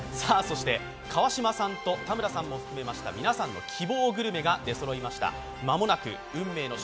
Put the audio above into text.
川島さんと田村さんを含めた皆さんの希望グルメが出そろいました。